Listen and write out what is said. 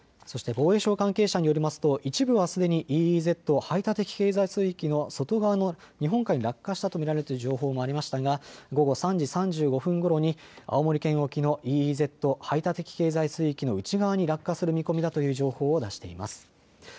そして防衛省関係者によりますと一部はすでにＥＥＺ・排他的経済水域の外側の日本海に落下したと見られるという情報もありましたが、午後３時３５分ごろに青森県沖のＥＥＺ・排他的経済水域の内側に落下する見込みだという情報を出しています。